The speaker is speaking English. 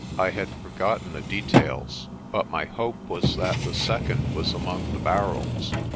I had forgotten the details, but my hope was that the second was among the barrels.